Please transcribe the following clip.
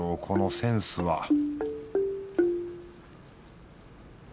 このセンスは